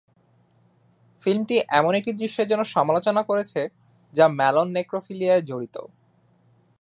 ফিল্মটি এমন একটি দৃশ্যের জন্য সমালোচনা করেছে যা ম্যালোন নেক্রোফিলিয়ায় জড়িত।